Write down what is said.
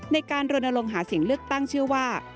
ในการรณรงค์หาเสียงเลือกตั้งเชื่อว่า